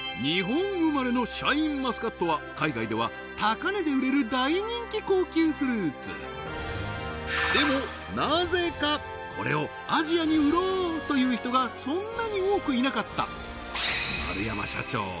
日本生まれのシャインマスカットは海外では高値で売れる大人気高級フルーツでもなぜかこれをアジアに売ろうという人がそんなに多くいなかった丸山社長